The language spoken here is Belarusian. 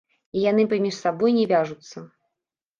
І яны паміж сабой не вяжуцца.